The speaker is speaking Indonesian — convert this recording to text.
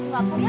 tunggu aku ya